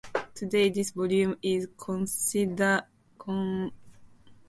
Today, this volume is considered to be very low.